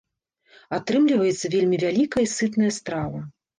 Атрымліваецца вельмі вялікая і сытная страва.